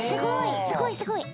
すごい！